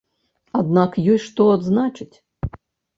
Аднак ёсць што адзначыць.